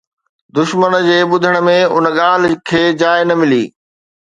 دشمن جي ٻڌڻ ۾ ان ڳالهه کي جاءِ نه ملي